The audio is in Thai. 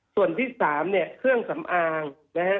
ส่วนที่๓เนี่ยเครื่องสำอางนะฮะ